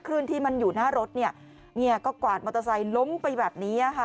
ขึ้นที่มันอยู่หน้ารถเนี่ยเนี่ยก็กวาดมอเตอร์ไซค์ล้มไปแบบนี้ค่ะ